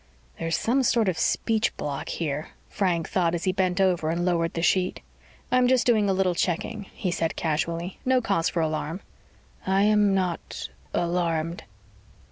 There's some sort of a speech block here, Frank thought as he bent over and lowered the sheet. "I'm just doing a little checking," he said casually. "No cause for alarm." "I am not alarmed."